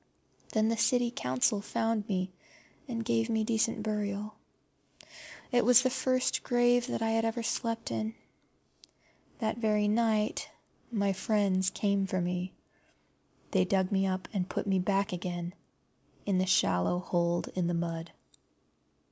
Then the County Council found me, and gave me decent burial. It was the first grave that I had ever slept in. That very night my friends came for me. They dug me up and put me back again in the shallow hold in the mud.